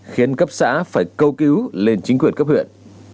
khiến cấp xã phải câu cứu lên chính quyền cấp huyện